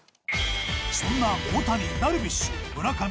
そんな大谷ダルビッシュ村上佐々木